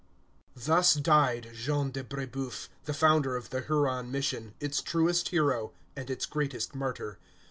Thus died Jean de Brébeuf, the founder of the Huron mission, its truest hero, and its greatest martyr.